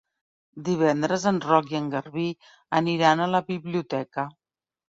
Divendres en Roc i en Garbí aniran a la biblioteca.